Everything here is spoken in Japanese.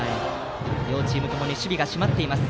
両チームともに守備が締まっています。